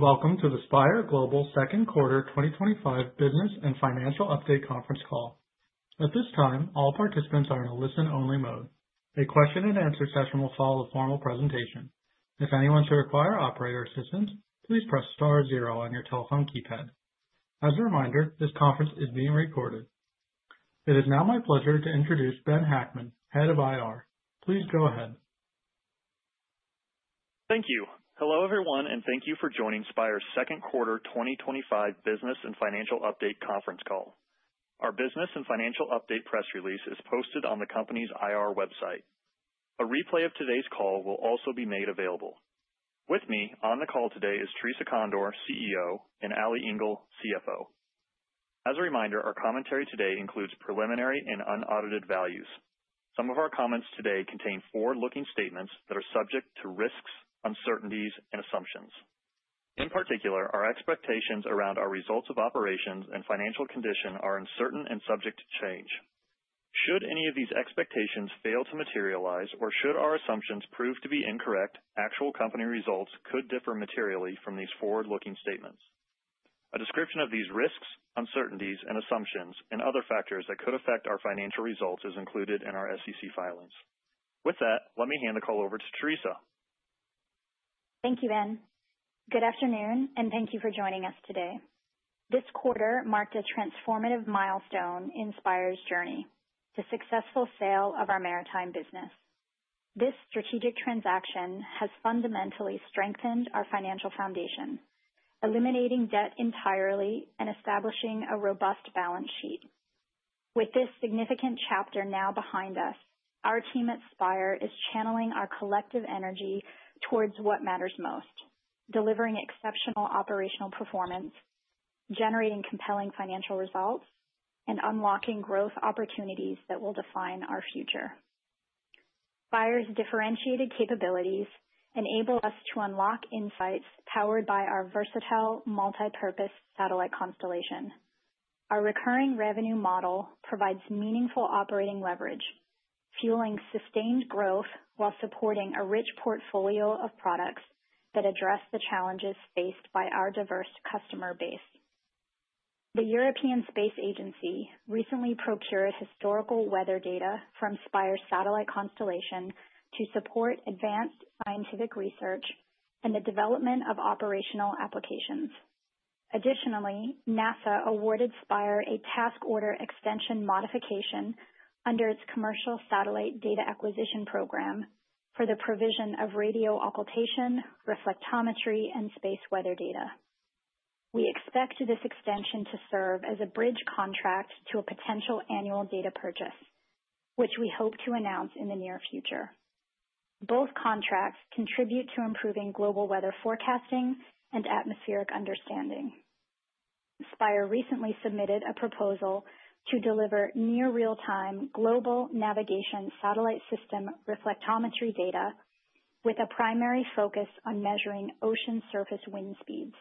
Welcome to the Spire Global Q2 2025 Business and Financial Update Conference Call. At this time, all participants are in a listen-only mode. A question-and-answer session will follow the formal presentation. If anyone should require operator assistance, please press star zero on your telephone keypad. As a reminder, this conference is being recorded. It is now my pleasure to introduce Ben Hackman, Head of IR. Please go ahead. Thank you. Hello everyone, and thank you for joining Spire's Q2 2025 Business and Financial Update Conference Call. Our Business and Financial Update press release is posted on the company's IR website. A replay of today's call will also be made available. With me on the call today is Teresa Condor, CEO, and Allison Engel, CFO. As a reminder, our commentary today includes preliminary and unaudited values. Some of our comments today contain forward-looking statements that are subject to risks, uncertainties, and assumptions. In particular, our expectations around our results of operations and financial condition are uncertain and subject to change. Should any of these expectations fail to materialize or should our assumptions prove to be incorrect, actual company results could differ materially from these forward-looking statements. A description of these risks, uncertainties, and assumptions, and other factors that could affect our financial results is included in our SEC filings. With that, let me hand the call over to Teresa. Thank you, Ben. Good afternoon, and thank you for joining us today. This quarter marked a transformative milestone in Spire's journey: the successful sale of our maritime business. This strategic transaction has fundamentally strengthened our financial foundation, eliminating debt entirely and establishing a robust balance sheet. With this significant chapter now behind us, our team at Spire is channeling our collective energy towards what matters most: delivering exceptional operational performance, generating compelling financial results, and unlocking growth opportunities that will define our future. Spire's differentiated capabilities enable us to unlock insights powered by our versatile, multi-purpose satellite constellation. Our recurring revenue model provides meaningful operating leverage, fueling sustained growth while supporting a rich portfolio of products that address the challenges faced by our diverse customer base. The European Space Agency recently procured historical weather data from Spire's satellite constellation to support advanced scientific research and the development of operational applications. Additionally, NASA awarded Spire a task order extension modification under its commercial satellite data acquisition program for the provision of radio occultation, reflectometry, and space weather data. We expect this extension to serve as a bridge contract to a potential annual data purchase, which we hope to announce in the near future. Both contracts contribute to improving global weather forecasting and atmospheric understanding. Spire recently submitted a proposal to deliver near-real-time global navigation satellite system reflectometry data with a primary focus on measuring ocean surface wind speeds.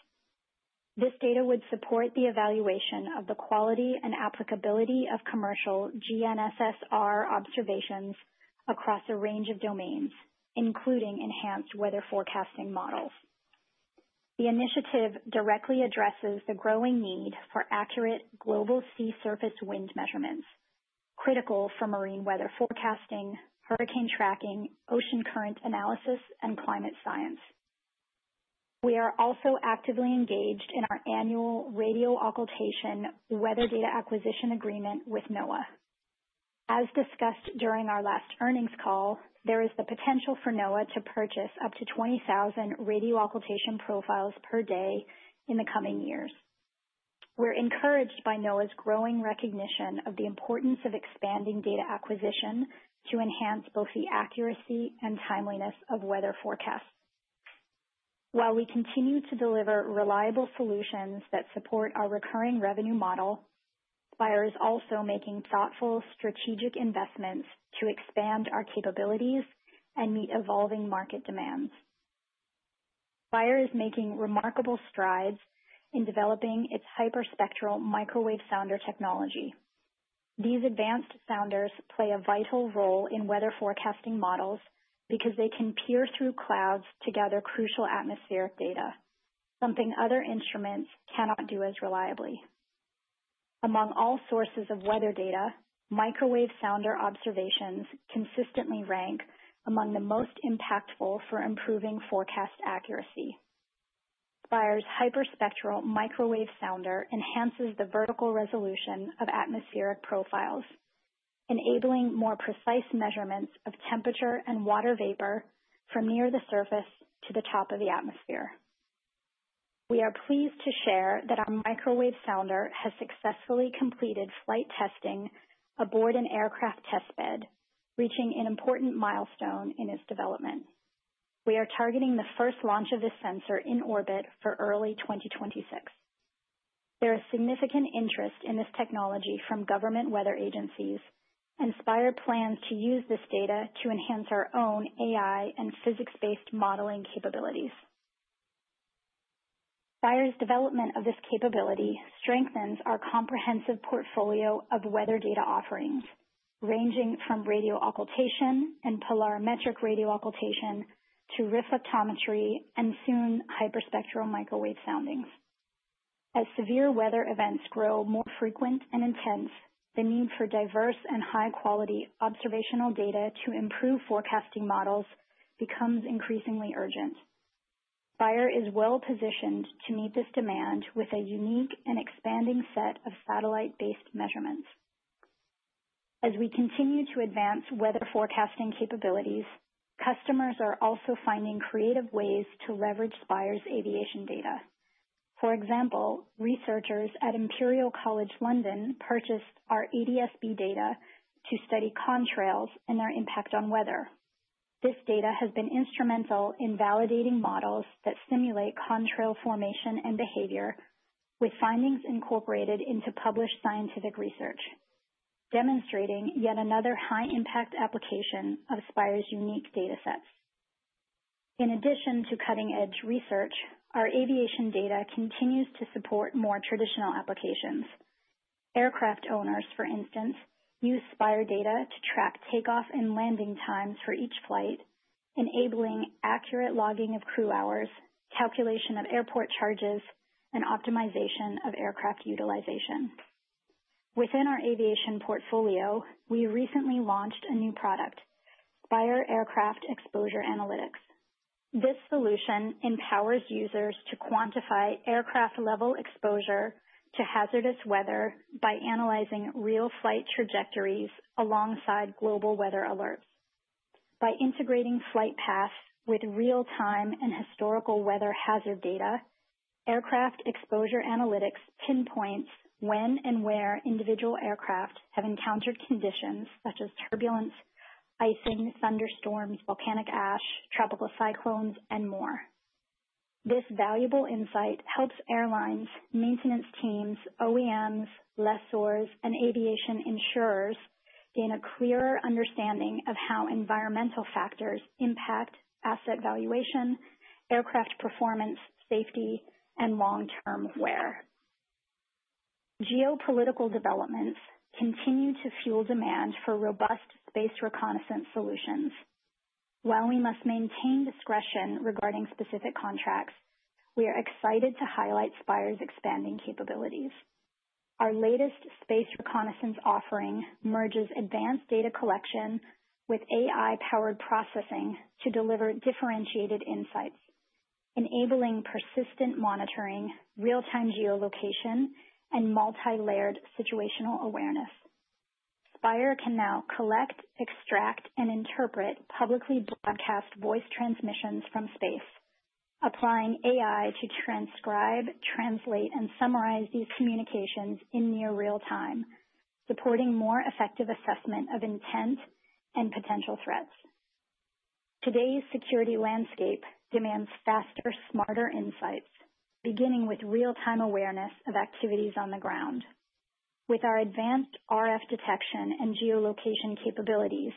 This data would support the evaluation of the quality and applicability of commercial GNSSR observations across a range of domains, including enhanced weather forecasting models. The initiative directly addresses the growing need for accurate global sea surface wind measurements, critical for marine weather forecasting, hurricane tracking, ocean current analysis, and climate science. We are also actively engaged in our annual radio occultation weather data acquisition agreement with NOAA. As discussed during our last earnings call, there is the potential for NOAA to purchase up to 20,000 radio occultation profiles per day in the coming years. We're encouraged by NOAA's growing recognition of the importance of expanding data acquisition to enhance both the accuracy and timeliness of weather forecasts. While we continue to deliver reliable solutions that support our recurring revenue model, Spire is also making thoughtful strategic investments to expand our capabilities and meet evolving market demands. Spire is making remarkable strides in developing its hyperspectral microwave sounder technology. These advanced sounders play a vital role in weather forecasting models because they can peer through clouds to gather crucial atmospheric data, something other instruments cannot do as reliably. Among all sources of weather data, microwave sounder observations consistently rank among the most impactful for improving forecast accuracy. Spire's hyperspectral microwave sounder enhances the vertical resolution of atmospheric profiles, enabling more precise measurements of temperature and water vapor from near the surface to the top of the atmosphere. We are pleased to share that our microwave sounder has successfully completed flight testing aboard an aircraft test bed, reaching an important milestone in its development. We are targeting the first launch of this sensor in orbit for early 2026. There is significant interest in this technology from government weather agencies, and Spire plans to use this data to enhance our own AI and physics-based modeling capabilities. Spire's development of this capability strengthens our comprehensive portfolio of weather data offerings, ranging from radio occultation and polarimetric radio occultation to reflectometry and soon hyperspectral microwave soundings. As severe weather events grow more frequent and intense, the need for diverse and high-quality observational data to improve forecasting models becomes increasingly urgent. Spire is well-positioned to meet this demand with a unique and expanding set of satellite-based measurements. As we continue to advance weather forecasting capabilities, customers are also finding creative ways to leverage Spire's aviation data. For example, researchers at Imperial College London purchased our ADS-B data to study contrails and their impact on weather. This data has been instrumental in validating models that simulate contrail formation and behavior, with findings incorporated into published scientific research, demonstrating yet another high-impact application of Spire's unique data sets. In addition to cutting-edge research, our aviation data continues to support more traditional applications. Aircraft owners, for instance, use Spire data to track takeoff and landing times for each flight, enabling accurate logging of crew hours, calculation of airport charges, and optimization of aircraft utilization. Within our aviation portfolio, we recently launched a new product, Spire Aircraft Exposure Analytics. This solution empowers users to quantify aircraft-level exposure to hazardous weather by analyzing real flight trajectories alongside global weather alerts. By integrating flight paths with real-time and historical weather hazard data, Aircraft Exposure Analytics pinpoints when and where individual aircraft have encountered conditions such as turbulence, icing, thunderstorms, volcanic ash, tropical cyclones, and more. This valuable insight helps airlines, maintenance teams, OEMs, lessors, and aviation insurers gain a clearer understanding of how environmental factors impact asset valuation, aircraft performance, safety, and long-term wear. Geopolitical developments continue to fuel demand for robust space reconnaissance solutions. While we must maintain discretion regarding specific contracts, we are excited to highlight Spire's expanding capabilities. Our latest space reconnaissance offering merges advanced data collection with AI-powered processing to deliver differentiated insights, enabling persistent monitoring, real-time geolocation, and multi-layered situational awareness. Spire can now collect, extract, and interpret publicly broadcast voice transmissions from space, applying AI to transcribe, translate, and summarize these communications in near real time, supporting more effective assessment of intent and potential threats. Today's security landscape demands faster, smarter insights, beginning with real-time awareness of activities on the ground. With our advanced RF detection and geolocation capabilities,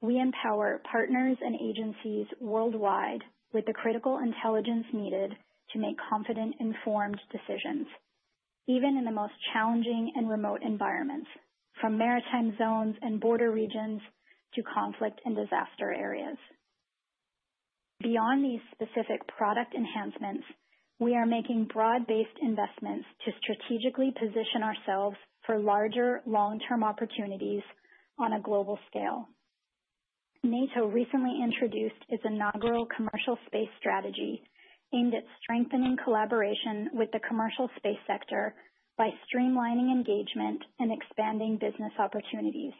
we empower partners and agencies worldwide with the critical intelligence needed to make confident, informed decisions, even in the most challenging and remote environments, from maritime zones and border regions to conflict and disaster areas. Beyond these specific product enhancements, we are making broad-based investments to strategically position ourselves for larger long-term opportunities on a global scale. NATO recently introduced its inaugural commercial space strategy aimed at strengthening collaboration with the commercial space sector by streamlining engagement and expanding business opportunities.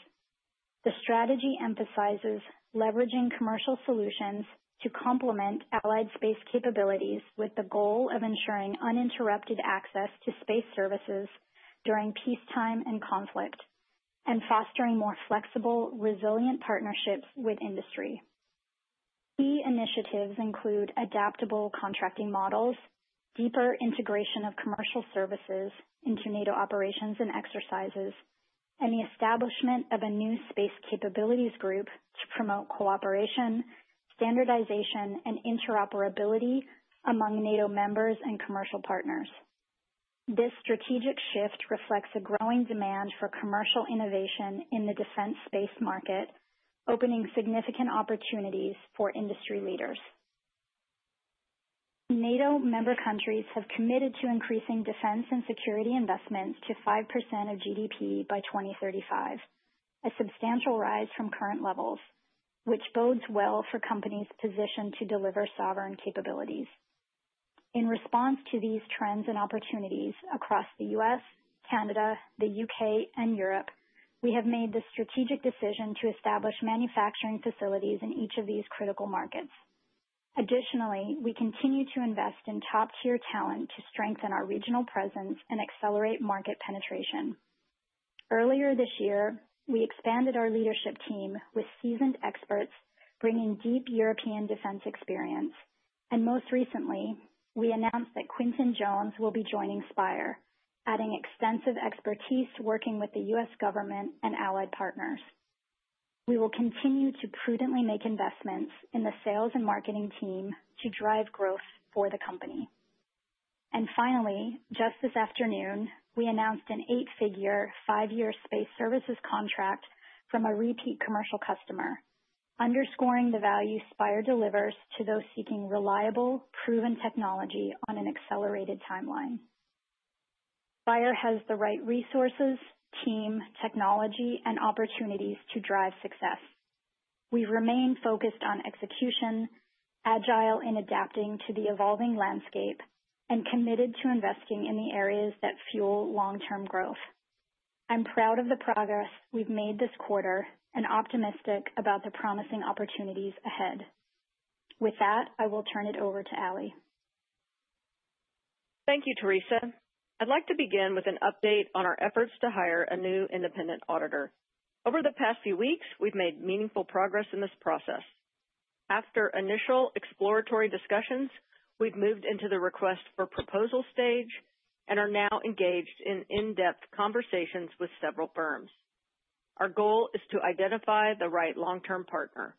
The strategy emphasizes leveraging commercial solutions to complement allied space capabilities with the goal of ensuring uninterrupted access to space services during peacetime and conflict and fostering more flexible, resilient partnerships with industry. Key initiatives include adaptable contracting models, deeper integration of commercial services into NATO operations and exercises, and the establishment of a new space capabilities group to promote cooperation, standardization, and interoperability among NATO members and commercial partners. This strategic shift reflects a growing demand for commercial innovation in the defense space market, opening significant opportunities for industry leaders. NATO member countries have committed to increasing defense and security investments to 5% of GDP by 2035, a substantial rise from current levels, which bodes well for companies positioned to deliver sovereign capabilities. In response to these trends and opportunities across the U.S., Canada, the U.K., and Europe, we have made the strategic decision to establish manufacturing facilities in each of these critical markets. Additionally, we continue to invest in top-tier talent to strengthen our regional presence and accelerate market penetration. Earlier this year, we expanded our leadership team with seasoned experts bringing deep European defense experience, and most recently, we announced that Quintin Jones will be joining Spire, adding extensive expertise working with the U.S. government and allied partners. We will continue to prudently make investments in the sales and marketing team to drive growth for the company. Finally, just this afternoon, we announced an eight-figure five-year space services contract from a repeat commercial customer, underscoring the value Spire delivers to those seeking reliable, proven technology on an accelerated timeline. Spire has the right resources, team, technology, and opportunities to drive success. We remain focused on execution, agile in adapting to the evolving landscape, and committed to investing in the areas that fuel long-term growth. I'm proud of the progress we've made this quarter and optimistic about the promising opportunities ahead. With that, I will turn it over to Allie. Thank you, Teresa. I'd like to begin with an update on our efforts to hire a new independent auditor. Over the past few weeks, we've made meaningful progress in this process. After initial exploratory discussions, we've moved into the request for proposal stage and are now engaged in-depth conversations with several firms. Our goal is to identify the right long-term partner.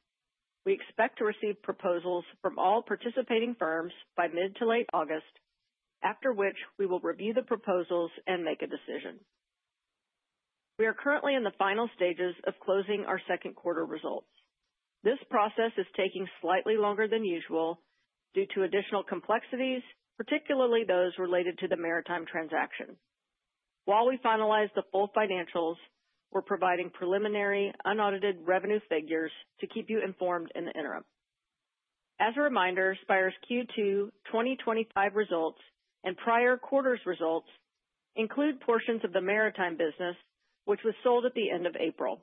We expect to receive proposals from all participating firms by mid to late August, after which we will review the proposals and make a decision. We are currently in the final stages of closing our Q2 results. This process is taking slightly longer than usual due to additional complexities, particularly those related to the maritime transaction. While we finalize the full financials, we're providing preliminary unaudited revenue figures to keep you informed in the interim. As a reminder, Spire's Q2 2025 results and prior quarter's results include portions of the maritime business, which was sold at the end of April.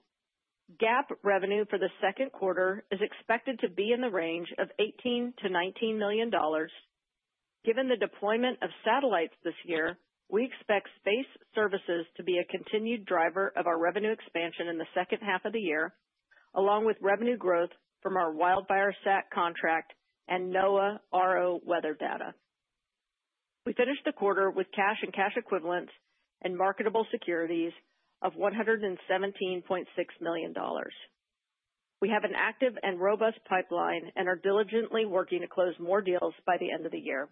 GAAP revenue for the Q2 is expected to be in the range of $18-$19 million. Given the deployment of satellites this year, we expect space services to be a continued driver of our revenue expansion in the second half of the year, along with revenue growth from our WildFireSat contract and NOAA RO weather data. We finished the quarter with cash and cash equivalents and marketable securities of $117.6 million. We have an active and robust pipeline and are diligently working to close more deals by the end of the year.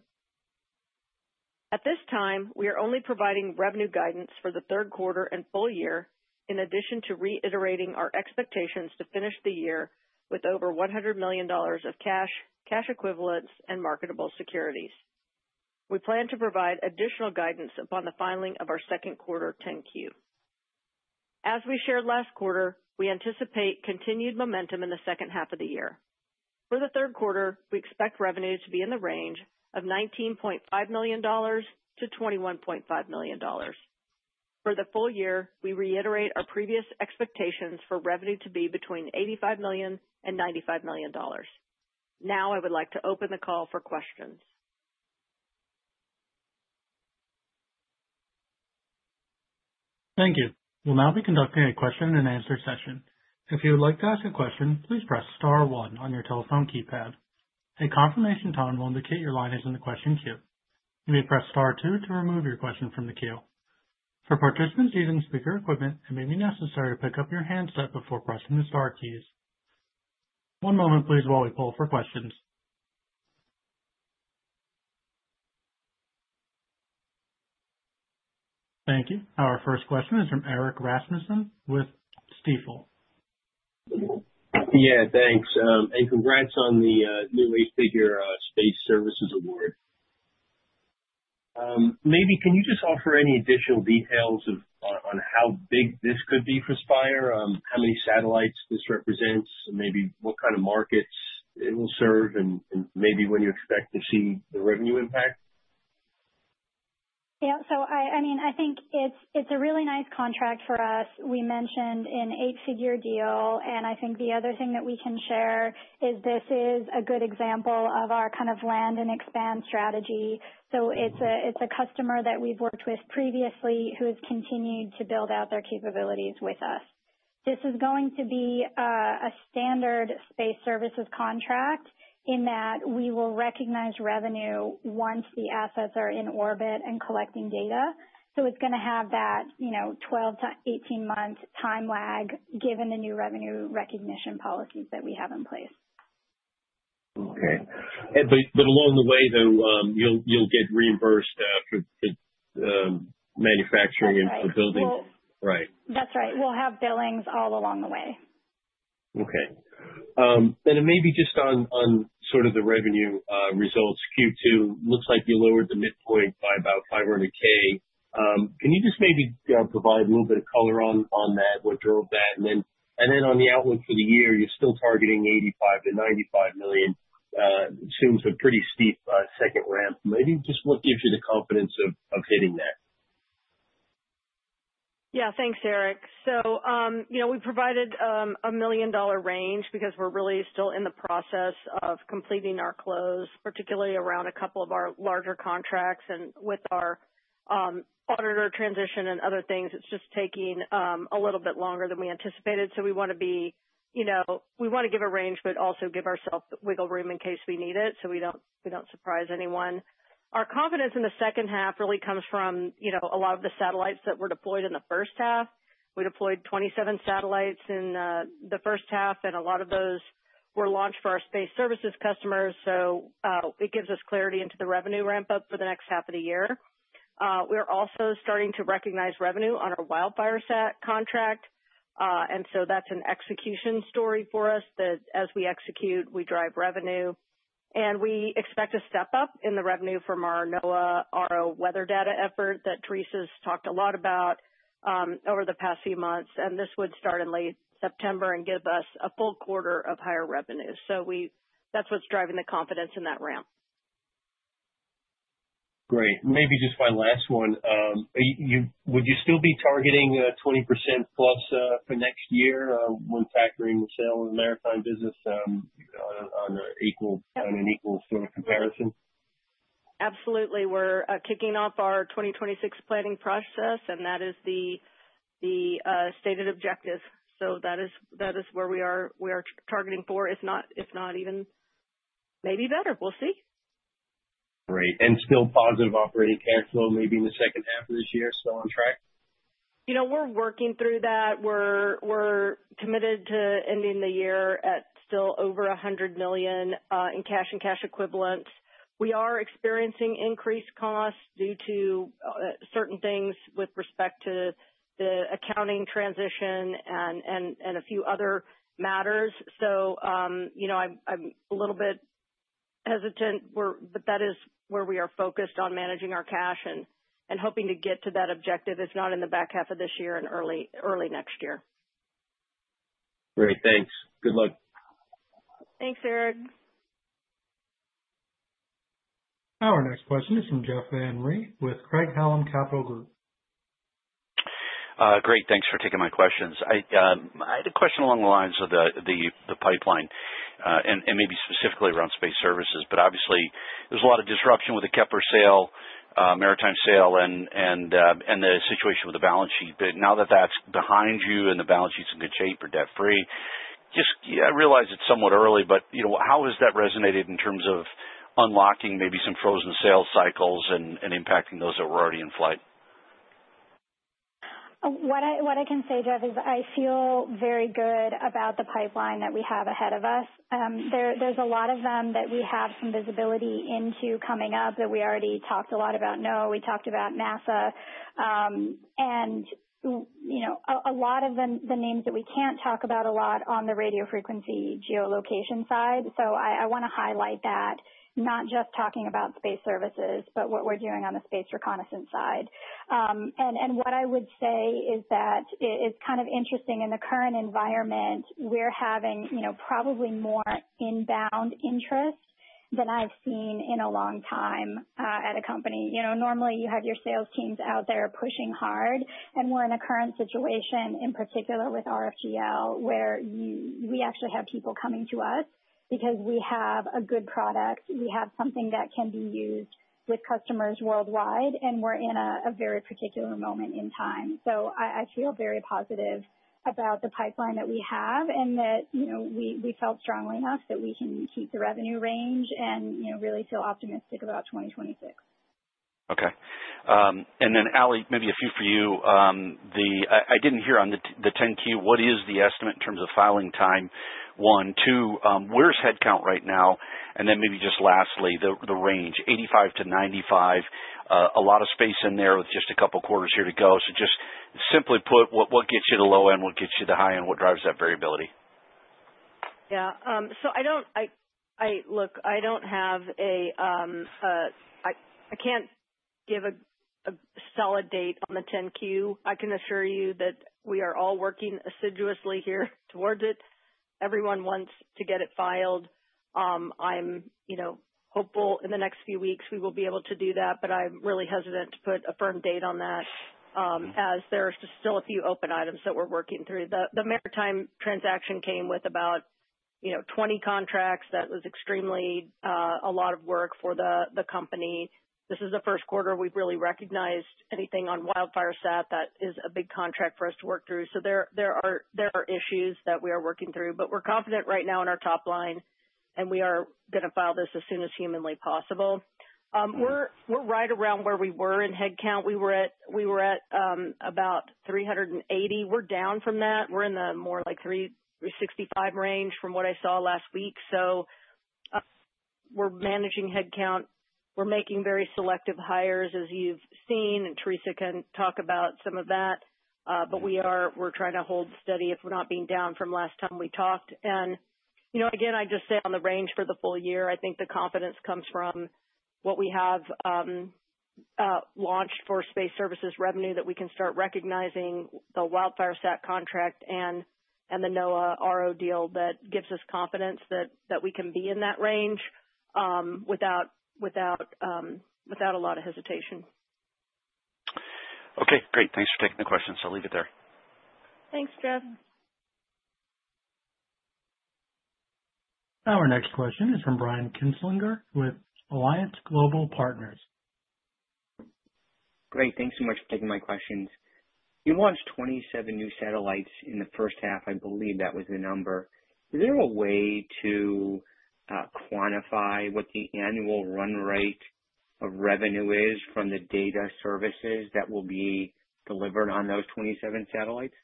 At this time, we are only providing revenue guidance for the Q3 and full year, in addition to reiterating our expectations to finish the year with over $100 million of cash, cash equivalents, and marketable securities. We plan to provide additional guidance upon the filing of our Q2 10-Q. As we shared last quarter, we anticipate continued momentum in the second half of the year. For the Q3, we expect revenues to be in the range of $19.5-$21.5 million. For the full year, we reiterate our previous expectations for revenue to be between $85-$95 million. Now, I would like to open the call for questions. Thank you. We'll now be conducting a question-and-answer session. If you would like to ask a question, please press Star 1 on your telephone keypad. A confirmation tone will indicate your line is in the question queue. You may press Star 2 to remove your question from the queue. For participants using speaker equipment, it may be necessary to pick up your handset before pressing the Star keys. One moment, please, while we pull for questions. Thank you. Our first question is from Erik Rasmussen with Stifel. Yeah, thanks. And congrats on the new eight-figure space services award. Maybe, can you just offer any additional details on how big this could be for Spire, how many satellites this represents, maybe what kind of markets it will serve, and maybe when you expect to see the revenue impact? Yeah, so I mean, I think it's a really nice contract for us. We mentioned an eight-figure deal, and I think the other thing that we can share is this is a good example of our kind of land and expand strategy. It's a customer that we've worked with previously who has continued to build out their capabilities with us. This is going to be a standard space services contract in that we will recognize revenue once the assets are in orbit and collecting data. It's going to have that 12-18-month time lag given the new revenue recognition policies that we have in place. Okay. But along the way, though, you'll get reimbursed for manufacturing and for building? That's right. We'll have billings all along the way. Okay. And then maybe just on sort of the revenue results Q2, it looks like you lowered the midpoint by about $500K. Can you just maybe provide a little bit of color on that, what drove that? And then on the outlook for the year, you're still targeting $85-$95 million. It assumes a pretty steep second ramp. Maybe just what gives you the confidence of hitting that? Yeah, thanks, Eric. So we provided a million-dollar range because we're really still in the process of completing our close, particularly around a couple of our larger contracts. And with our auditor transition and other things, it's just taking a little bit longer than we anticipated. We want to give a range, but also give ourselves wiggle room in case we need it so we don't surprise anyone. Our confidence in the second half really comes from a lot of the satellites that were deployed in the first half. We deployed 27 satellites in the first half, and a lot of those were launched for our space services customers. It gives us clarity into the revenue ramp-up for the next half of the year. We are also starting to recognize revenue on our WildFireSat contract. That's an execution story for us that as we execute, we drive revenue. We expect a step up in the revenue from our NOAA RO weather data effort that Teresa's talked a lot about over the past few months. And this would start in late September and give us a full quarter of higher revenue. So that's what's driving the confidence in that ramp. Great. Maybe just my last one. Would you still be targeting 20% plus for next year when factoring the sale of the maritime business on an equal sort of comparison? Absolutely. We're kicking off our 2026 planning process, and that is the stated objective. So that is where we are targeting for, if not even maybe better. We'll see. Great. And still positive operating cash flow maybe in the second half of this year, still on track? We're working through that. We're committed to ending the year at still over $100 million in cash and cash equivalents. We are experiencing increased costs due to certain things with respect to the accounting transition and a few other matters. So I'm a little bit hesitant, but that is where we are focused on managing our cash and hoping to get to that objective, if not in the back half of this year and early next year. Great. Thanks. Good luck. Thanks, Eric. Our next question is from Jeff Van Rhee with Craig-Hallum Capital Group. Great. Thanks for taking my questions. I had a question along the lines of the pipeline and maybe specifically around space services. But obviously, there's a lot of disruption with the Kpler sale, maritime sale, and the situation with the balance sheet. But now that that's behind you and the balance sheet's in good shape or debt-free, just realize it's somewhat early, but how has that resonated in terms of unlocking maybe some frozen sales cycles and impacting those that were already in flight? What I can say, Jeff, is I feel very good about the pipeline that we have ahead of us. There's a lot of them that we have some visibility into coming up that we already talked a lot about, NOAA. We talked about NASA, and a lot of the names that we can't talk about a lot on the radio frequency geolocation side, so I want to highlight that, not just talking about space services, but what we're doing on the space reconnaissance side, and what I would say is that it's kind of interesting. In the current environment, we're having probably more inbound interest than I've seen in a long time at a company. Normally, you have your sales teams out there pushing hard, and we're in a current situation, in particular with RFGL, where we actually have people coming to us because we have a good product. We have something that can be used with customers worldwide, and we're in a very particular moment in time. So I feel very positive about the pipeline that we have and that we felt strongly enough that we can keep the revenue range and really feel optimistic about 2026. Okay. And then, Allie, maybe a few for you. I didn't hear on the 10-Q, what is the estimate in terms of filing time? One, two, where's headcount right now? And then maybe just lastly, the range, 85-95, a lot of space in there with just a couple of quarters here to go. So just simply put, what gets you to low end, what gets you to high end, what drives that variability? Yeah. So look, I can't give a solid date on the 10-Q. I can assure you that we are all working assiduously here towards it. Everyone wants to get it filed. I'm hopeful in the next few weeks we will be able to do that, but I'm really hesitant to put a firm date on that as there are still a few open items that we're working through. The maritime transaction came with about 20 contracts. That was extremely a lot of work for the company. This is the Q1 we've really recognized anything on WildFireSat that is a big contract for us to work through. So there are issues that we are working through, but we're confident right now in our top line, and we are going to file this as soon as humanly possible. We're right around where we were in headcount. We were at about 380. We're down from that. We're in the more like 365 range from what I saw last week. So we're managing headcount. We're making very selective hires, as you've seen, and Teresa can talk about some of that, but we're trying to hold steady if we're not being down from last time we talked. And again, I just say on the range for the full year, I think the confidence comes from what we have launched for space services revenue that we can start recognizing the WildFireSat contract and the NOAA RO deal that gives us confidence that we can be in that range without a lot of hesitation. Okay. Great. Thanks for taking the questions. I'll leave it there. Thanks, Jeff. Our next question is from Brian Kinstlinger with Alliance Global Partners. Great. Thanks so much for taking my questions. You launched 27 new satellites in the first half. I believe that was the number. Is there a way to quantify what the annual run rate of revenue is from the data services that will be delivered on those 27 satellites?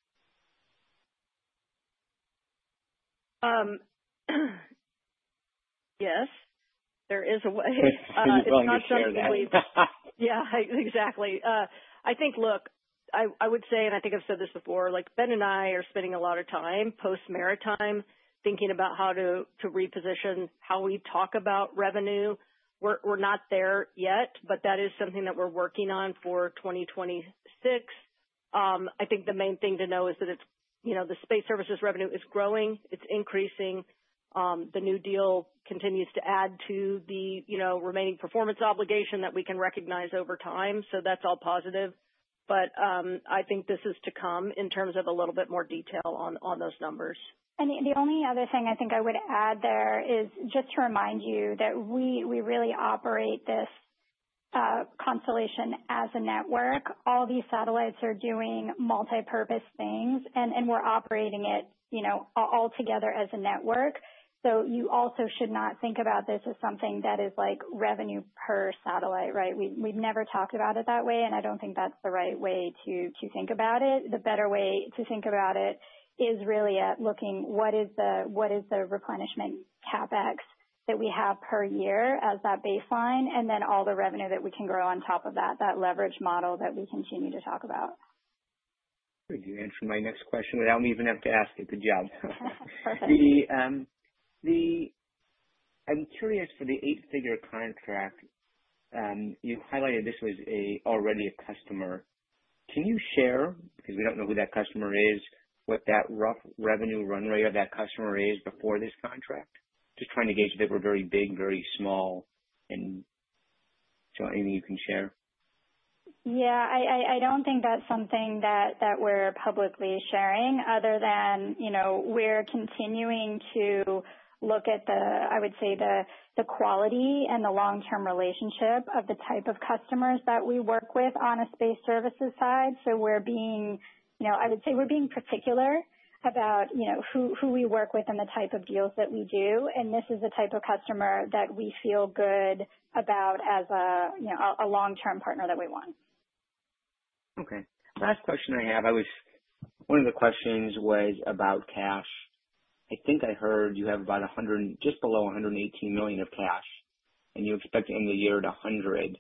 Yes. There is a way. It's not something we've. Yeah, exactly. I think, look, I would say, and I think I've said this before, Ben and I are spending a lot of time post-maritime thinking about how to reposition how we talk about revenue. We're not there yet, but that is something that we're working on for 2026. I think the main thing to know is that the space services revenue is growing. It's increasing. The new deal continues to add to the remaining performance obligation that we can recognize over time. So that's all positive. But I think this is to come in terms of a little bit more detail on those numbers. And the only other thing I think I would add there is just to remind you that we really operate this constellation as a network. All these satellites are doing multipurpose things, and we're operating it all together as a network. So you also should not think about this as something that is like revenue per satellite, right? We've never talked about it that way, and I don't think that's the right way to think about it. The better way to think about it is really at looking at what is the replenishment CapEx that we have per year as that baseline, and then all the revenue that we can grow on top of that, that leverage model that we continue to talk about. You answered my next question, but I don't even have to ask it, but yeah. I'm curious for the eight-figure contract. You highlighted this was already a customer. Can you share, because we don't know who that customer is, what that rough revenue run rate of that customer is before this contract? Just trying to gauge if they were very big, very small, and so anything you can share? Yeah. I don't think that's something that we're publicly sharing other than we're continuing to look at the, I would say, the quality and the long-term relationship of the type of customers that we work with on a space services side. So we're being, I would say we're being particular about who we work with and the type of deals that we do. And this is the type of customer that we feel good about as a long-term partner that we want. Okay. Last question I have. One of the questions was about cash.I think I heard you have about just below $118 million of cash, and you expect to end the year at $100 million.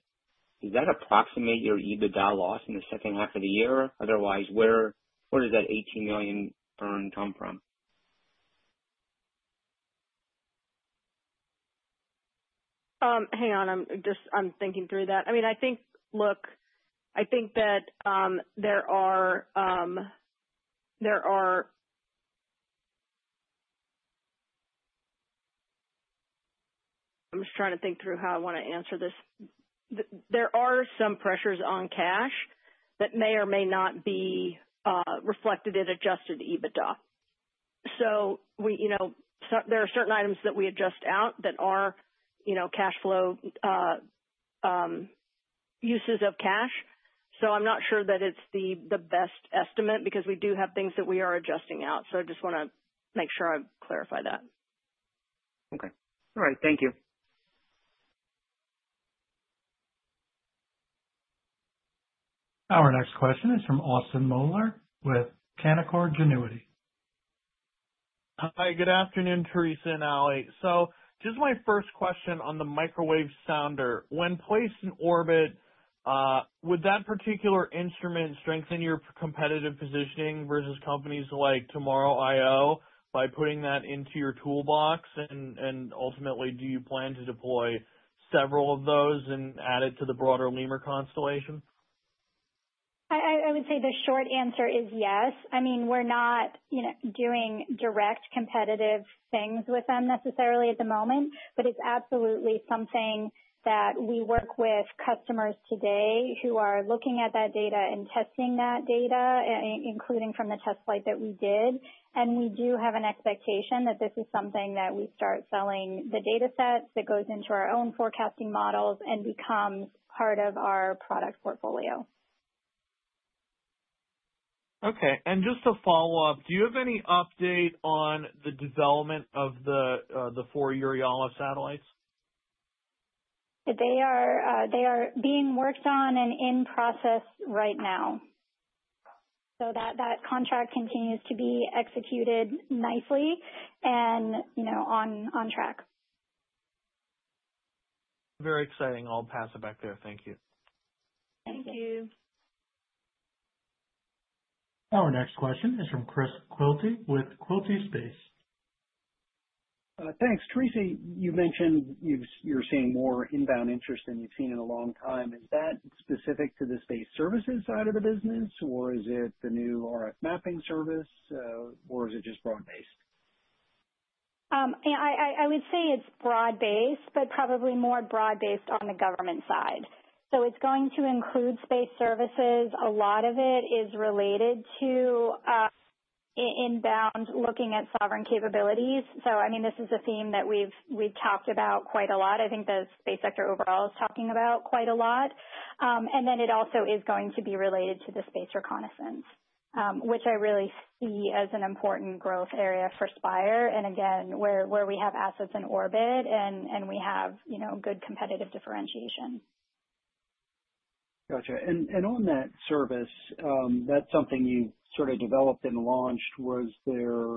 Does that approximate your EBITDA loss in the second half of the year? Otherwise, where does that $18 million burn come from? Hang on. I'm thinking through that. I mean, I think, look, I think that there are. I'm just trying to think through how I want to answer this. There are some pressures on cash that may or may not be reflected in adjusted EBITDA. So there are certain items that we adjust out that are cash flow uses of cash. So I'm not sure that it's the best estimate because we do have things that we are adjusting out. So I just want to make sure I've clarified that. Okay. All right. Thank you. Our next question is from Austin Moeller with Canaccord Genuity. Hi. Good afternoon, Teresa and Allie. So just my first question on the microwave sounder. When placed in orbit, would that particular instrument strengthen your competitive positioning versus companies like Tomorrow.io by putting that into your toolbox? And ultimately, do you plan to deploy several of those and add it to the broader LEMUR constellation? I would say the short answer is yes. I mean, we're not doing direct competitive things with them necessarily at the moment, but it's absolutely something that we work with customers today who are looking at that data and testing that data, including from the test flight that we did. And we do have an expectation that this is something that we start selling the datasets that goes into our own forecasting models and becomes part of our product portfolio. Okay. Just to follow up, do you have any update on the development of the four Eurialo satellites? They are being worked on and in process right now. So that contract continues to be executed nicely and on track. Very exciting. I'll pass it back there. Thank you. Thank you. Our next question is from Chris Quilty with Quilty Space. Thanks. Teresa, you mentioned you're seeing more inbound interest than you've seen in a long time. Is that specific to the space services side of the business, or is it the new RF mapping service, or is it just broad-based? I would say it's broad-based, but probably more broad-based on the government side. So it's going to include space services. A lot of it is related to inbound looking at sovereign capabilities. So I mean, this is a theme that we've talked about quite a lot. I think the space sector overall is talking about quite a lot. And then it also is going to be related to the space reconnaissance, which I really see as an important growth area for Spire and, again, where we have assets in orbit and we have good competitive differentiation. Gotcha. And on that service, that's something you sort of developed and launched. Was there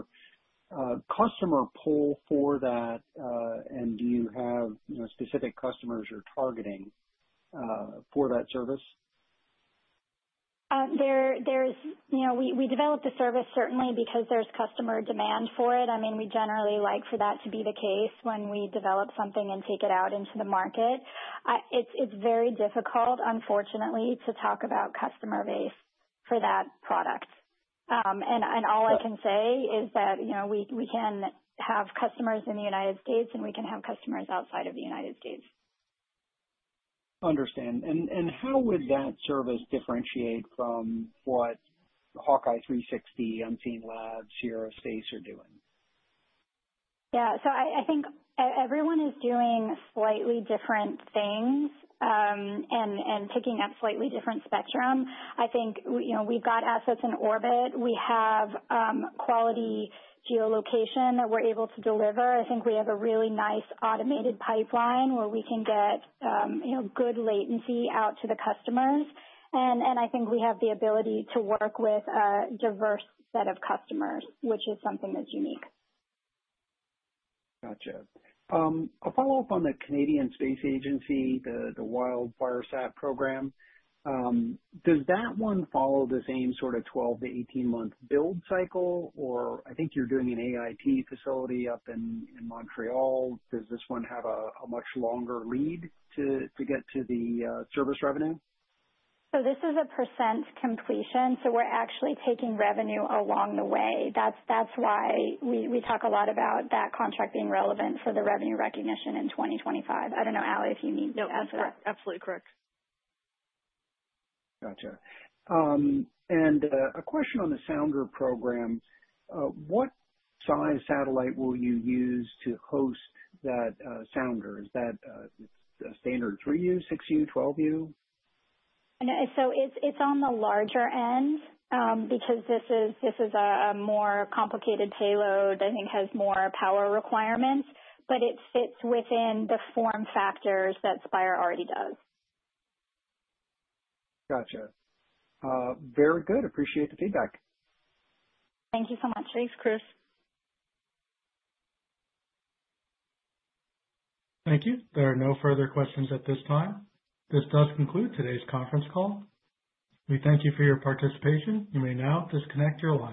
a customer pull for that, and do you have specific customers you're targeting for that service? We developed the service certainly because there's customer demand for it. I mean, we generally like for that to be the case when we develop something and take it out into the market. It's very difficult, unfortunately, to talk about customer base for that product. All I can say is that we can have customers in the United States, and we can have customers outside of the United States. Understand. How would that service differentiate from what HawkEye 360, Unseenlabs, Sierra Space are doing? Yeah. So I think everyone is doing slightly different things and picking up slightly different spectrum. I think we've got assets in orbit. We have quality geolocation that we're able to deliver. I think we have a really nice automated pipeline where we can get good latency out to the customers. And I think we have the ability to work with a diverse set of customers, which is something that's unique. Gotcha. A follow-up on the Canadian Space Agency, the WildFireSat program. Does that one follow the same sort of 12- to 18-month build cycle, or I think you're doing an AIT facility up in Montreal.Does this one have a much longer lead to get to the service revenue? So this is a percent completion. So we're actually taking revenue along the way. That's why we talk a lot about that contract being relevant for the revenue recognition in 2025. I don't know, Allie, if you mean to add to that. No, absolutely correct. Gotcha. And a question on the sounder program. What size satellite will you use to host that sounder? Is that a standard 3U, 6U, 12U? So it's on the larger end because this is a more complicated payload. I think it has more power requirements, but it fits within the form factors that Spire already does. Gotcha. Very good. Appreciate the feedback. Thank you so much. Thanks, Chris. Thank you. There are no further questions at this time. This does conclude today's conference call. We thank you for your participation. You may now disconnect your line.